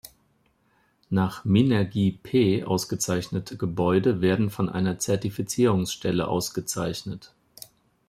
Nach Minergie-P ausgezeichnete Gebäude werden von einer Zertifizierungsstelle ausgezeichnet.